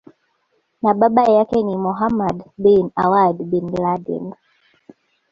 na baba yake ni Mohammad bin Awad bin Laden